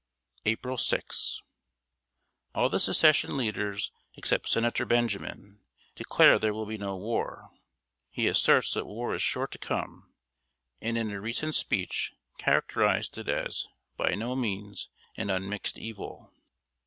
April 6. All the Secession leaders except Senator Benjamin declare there will be no war. He asserts that war is sure to come; and in a recent speech characterized it as "by no means an unmixed evil."